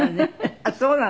あっそうなの。